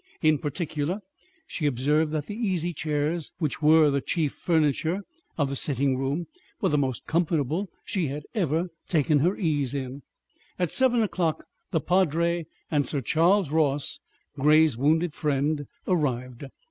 In particular, she observed that the easy chairs, which were the chief furniture of the sitting room, were the most comfortable she had ever taken her ease in. At seven o'clock the padre and Sir Charles Ross, Grey's wounded friend, arrived.